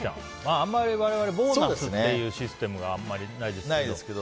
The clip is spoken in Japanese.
あまり我々、ボーナスというシステムがないですけど。